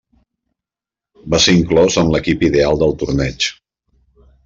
Va ser inclòs en l'equip ideal del torneig.